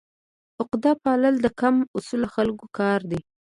عقده پالل د کم اصلو خلکو کار دی.